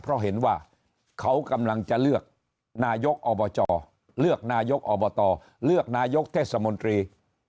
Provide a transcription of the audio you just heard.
เพราะเห็นว่าเขากำลังจะเลือกนายกอบจเลือกนายกอบตเลือกนายกเทศมนตรี